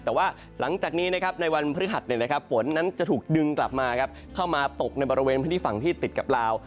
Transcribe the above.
แต่ว่าหลังจากนี้นะครับในวันพฤหัสฝนนั้นจะถูกดึงกลับมาเข้ามาตกในบริเวณพื้นที่ฝั่งที่ติดกับลาว